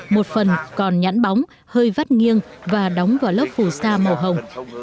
một phần còn nhẵn bóng hơi vắt nghiêng và đóng vào lớp phù sa màu hồng